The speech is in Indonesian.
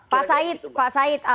pak said pak said